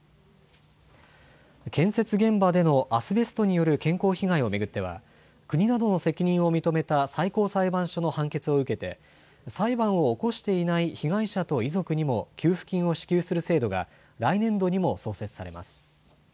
建設現場でのアスベストによる健康被害を巡っては国などの責任を認めた最高裁判所の判決を受けて裁判を起こしていない被害者と遺族にも給付金を支給する制度が来年度にも創設されます。